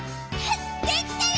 できたよ！」